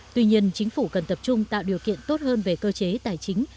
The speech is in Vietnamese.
tuy nhiên chính phủ cần tập trung tạo điều kiện tốt hơn về cơ chế tài chính